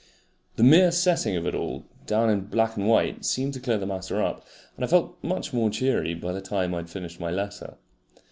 The mere setting of it all down in black and white seemed to clear the matter up, and I felt much more cheery by the time I had finished my letter.